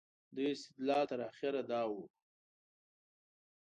دوی استدلال تر اخره دا و.